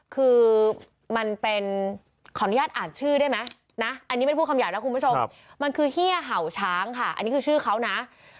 คือมันเป็นขออนุญาตอ่านชื่อได้ไหมนะอันนี้ไม่พูดคำหยาบนะคุณผู้ชมมันคือเฮียเห่าช้างค่ะอันนี้คือชื่อเขานะ